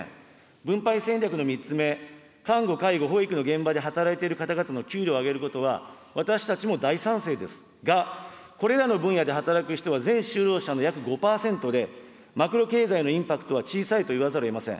分配戦略の３つ目、看護、介護、保育の現場で働いている方々の給料を上げることは、私たちも大賛成です、が、これらの分野で働く人は全就労者の約５％でマクロ経済のインパクトは小さいと言わざるをえません。